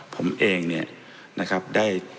ผมเองเนี่ยนะครับได้